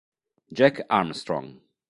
Jack Armstrong